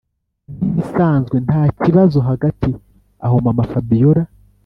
nkibisanzwe ntakibazo, hagati aho mama-fabiora